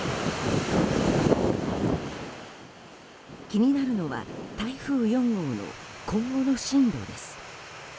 気になるのは台風４号の今後の進路です。